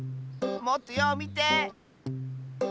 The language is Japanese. もっとようみて！